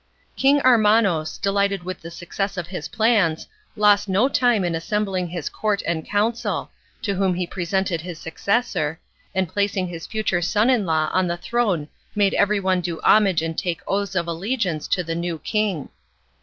King Armanos, delighted with the success of his plans, lost no time in assembling his court and council, to whom he presented his successor, and placing his future son in law on the throne made everyone do homage and take oaths of allegiance to the new king.